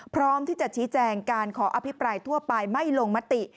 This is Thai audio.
พร้อมที่จะชี้แจงการขออภิปรายทั่วไปไม่ลงมติ